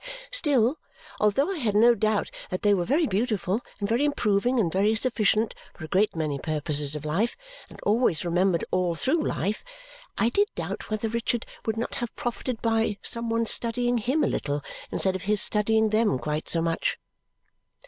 Still, although I had no doubt that they were very beautiful, and very improving, and very sufficient for a great many purposes of life, and always remembered all through life, I did doubt whether Richard would not have profited by some one studying him a little, instead of his studying them quite so much.